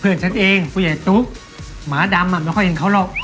ฉันเองผู้ใหญ่ตุ๊กหมาดำอ่ะไม่ค่อยเห็นเขาหรอก